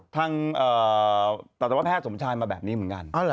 สัตวแพทย์สมชายมาแบบนี้เหมือนกัน